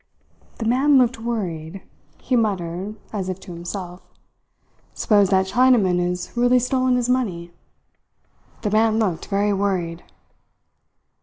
"The man looked worried," he muttered, as if to himself. "Suppose that Chinaman has really stolen his money! The man looked very worried."